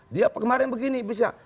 dia kemarin begini